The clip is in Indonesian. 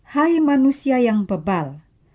hai manusia yang bebal